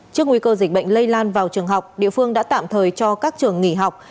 trước nguy cơ dịch bệnh lây lan vào trường học địa phương đã tạm thời cho các trường nghỉ học